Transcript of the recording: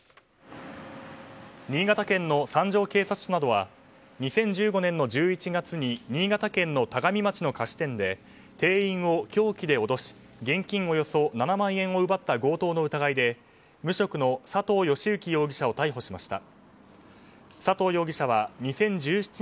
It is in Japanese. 新潟県の三条警察署などは２０１５年の１１月に新潟県の田上町の菓子店で店員を凶器で脅し現金およそ７万円を奪った強盗の疑いで無職の佐藤佳之容疑者を逮捕しました。